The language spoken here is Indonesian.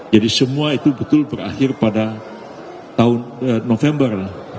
jadi semua itu betul berakhir pada tahun november dua ribu dua puluh tiga